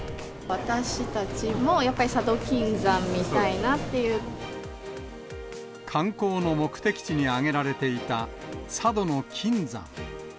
私たちもやっぱり、佐渡金山観光の目的地に挙げられていた、佐渡島の金山。